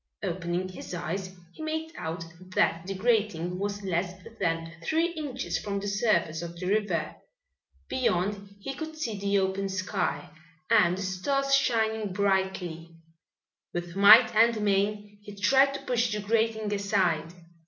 Opening his eyes he made out that the grating was less than three inches from the surface of the river. Beyond he could see the open sky and the stars shining brightly. With might and main he tried to push the grating aside.